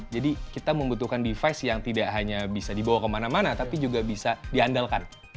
jadi kita membutuhkan device yang tidak hanya bisa dibawa kemana mana tapi juga bisa diandalkan